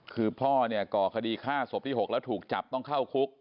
คือพ่อเนี่ยก่อคดีฆ่าศพที่๖แล้วถูกจับต้องเข้าคุก